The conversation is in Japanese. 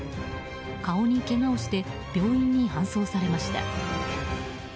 顔にけがをして病院に搬送されました。